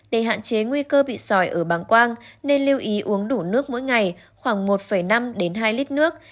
để hạn chế nguy cơ bị sỏi ở bàng quang nên lưu ý uống đủ nước mỗi ngày khoảng một năm đến hai lít nước